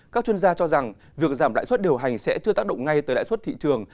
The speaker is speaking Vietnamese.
các chuyên gia cho rằng việc giảm lãi suất điều hành sẽ chưa tác động ngay tới lãi suất thị trường